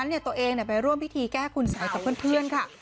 ตัวเองไปร่วมพิธีแก้คุณสัยกับเพื่อนค่ะ